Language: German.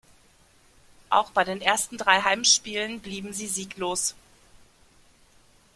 Auch bei den ersten drei Heimspielen blieben sie sieglos.